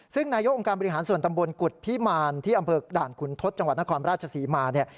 ซึ่งนายกองค์การบริหารส่วนตำบลกุฎพิมารที่อำเภอด่านขุนทศจังหวัดนครราชศรีมาเนี่ย